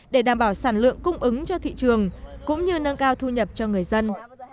để đảm bảo sản lượng cung ứng cho thị trường cũng như nâng cao thu nhập cho người dân